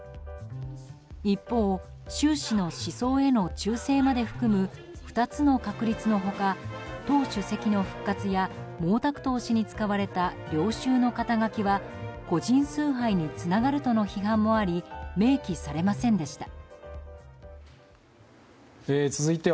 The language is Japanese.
一方、習氏の思想への忠誠まで含む２つの確立の他党主席の復活や毛沢東氏に使われた領袖の肩書きは個人崇拝につながるとの批判もあり明記されませんでした。